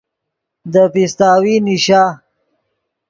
دے پیستاوی نیشا